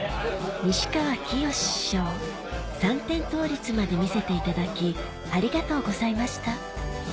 西川きよし師匠三点倒立まで見せていただきありがとうございました